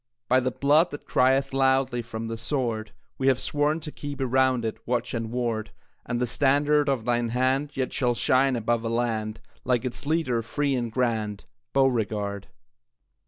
By the blood that crieth loudly From the sword, We have sworn to keep around it Watch and ward, And the standard of thine hand Yet shall shine above a land, Like its leader, free and grand, Beauregard!